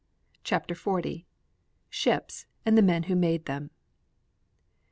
CHAPTER XL SHIPS AND THE MEN WHO MADE THEM.